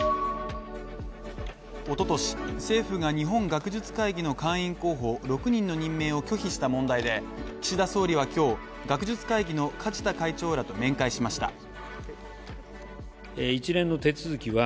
一昨年、政府が日本学術会議の会員候補６人の任命を拒否した問題で岸田総理は今日学術会議の梶田会長らと面会しました。